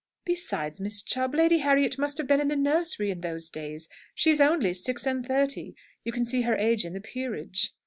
"Besides, Miss Chubb, Lady Harriet must have been in the nursery in those days. She's only six and thirty. You can see her age in the 'Peerage.'"